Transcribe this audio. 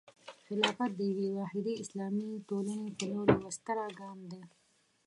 خلافت د یوې واحدې اسلامي ټولنې په لور یوه ستره ګام دی.